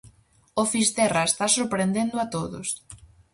O Fisterra está sorprendendo a todos.